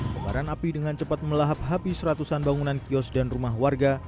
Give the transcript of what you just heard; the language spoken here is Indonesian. kebaran api dengan cepat melahap habis ratusan bangunan kios dan rumah warga